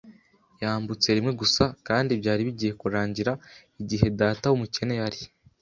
Yambutse rimwe gusa, kandi byari bigiye kurangira, igihe data wumukene yari